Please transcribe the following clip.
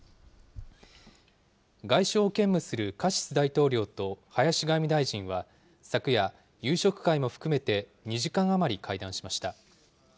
外相を兼務するカシス大統領と林外務大臣は昨夜、夕食会も含めて２時間余り会談しました。